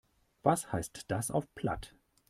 Was heißt das auf Platt?